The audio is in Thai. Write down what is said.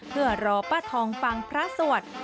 เพื่อรอป้าทองฟังพระสวด